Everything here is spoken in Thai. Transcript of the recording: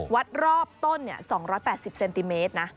วัดรอบต้น๒๘๐เซนติเมตรนะ